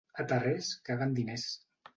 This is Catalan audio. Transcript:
A Tarrés caguen diners.